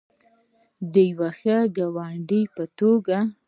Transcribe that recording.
د یو ښه ګاونډي په توګه.